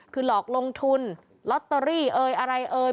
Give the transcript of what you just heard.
คือหลอกลงทุนลอตเตอรี่เอ่ยอะไรเอ่ย